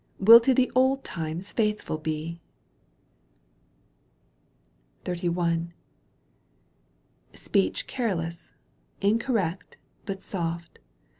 — Will to the old times faithful be. XXXI. Speech careless, incorrect, but soft